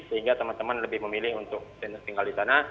sehingga teman teman lebih memilih untuk tinggal di sana